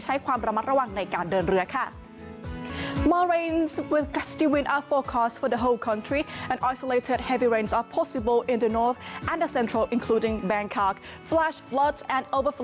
ใช้ความระมัดระวังในการเดินเรือค่ะ